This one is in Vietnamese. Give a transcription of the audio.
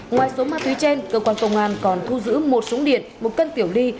ngoài số ma túy trên cơ quan công an còn thu giữ một súng điện một cân tiểu ly